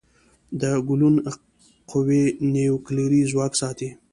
د ګلوون قوي نیوکلیري ځواک ساتي.